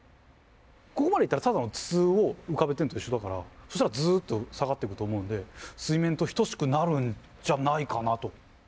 ここまでいったらただの筒を浮かべてるのと一緒だからそしたらずっと下がっていくと思うんで水面と等しくなるんじゃないかなと。